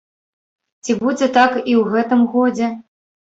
Ці будзе так і ў гэтым годзе?